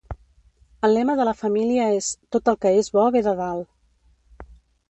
El lema de la família és 'Tot el que és bo ve de dalt'.